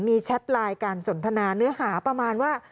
มีแชทไลน์การสนทนาเนื้อหาประมาณว่า